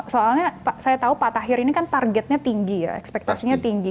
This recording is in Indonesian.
soalnya saya tahu pak tahir ini kan targetnya tinggi ya ekspektasinya tinggi